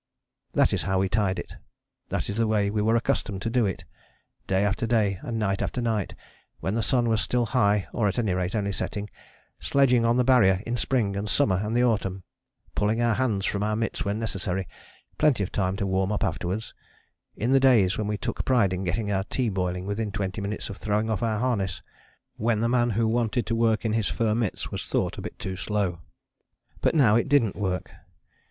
That is how we tied it: that is the way we were accustomed to do it, day after day and night after night when the sun was still high or at any rate only setting, sledging on the Barrier in spring and summer and autumn; pulling our hands from our mitts when necessary plenty of time to warm up afterwards; in the days when we took pride in getting our tea boiling within twenty minutes of throwing off our harness: when the man who wanted to work in his fur mitts was thought a bit too slow. But now it didn't work.